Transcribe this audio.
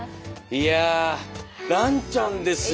いやランちゃんですよ。